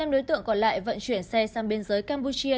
năm đối tượng còn lại vận chuyển xe sang biên giới campuchia